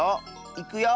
いくよ。